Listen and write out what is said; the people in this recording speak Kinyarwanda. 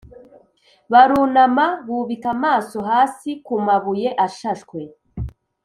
barunama bubika amaso hasi ku mabuye ashashwe,